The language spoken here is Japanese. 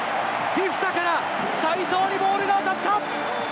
フィフィタから齋藤にボールが渡った！